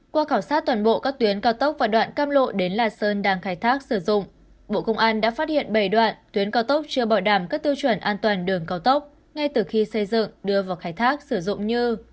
qua khảo sát toàn bộ các tuyến cao tốc và đoạn cam lộ đến lạt sơn đang khai thác sử dụng bộ công an đã phát hiện bảy đoạn tuyến cao tốc chưa bảo đảm các tiêu chuẩn an toàn đường cao tốc ngay từ khi xây dựng đưa vào khai thác sử dụng như